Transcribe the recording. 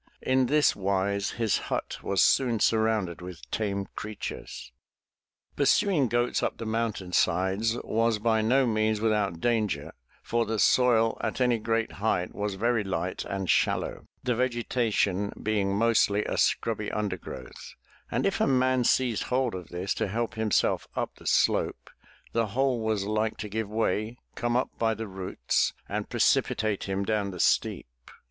In this wise his hut was soon surrounded with tame creatures. Pursuing goats up the mountainsides was by no means with out danger, for the soil at any great height was very light and shallow, the vegetation being mostly a scrubby undergrowth, and if a man seized hold of this to help himself up the slope, the whole was like to give way, come up by the roots and pre cipitate him down the steep.